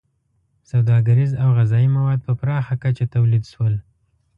• سوداګریز او غذایي مواد په پراخه کچه تولید شول.